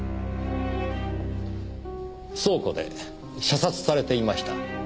倉庫で射殺されていました。